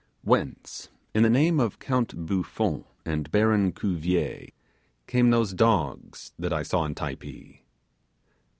Whence, in the name of Count Buffon and Baron Cuvier, came those dogs that I saw in Typee?